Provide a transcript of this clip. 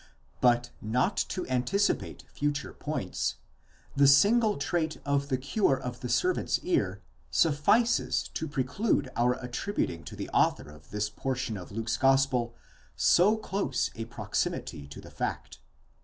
But, not to anticipate future points, the single trait of the cure of the servant's ear suffices to preclude our attributing to the author of this portion of Luke's gospel so close a proximity to the fact.